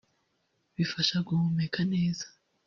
Bifasha guhumeka neza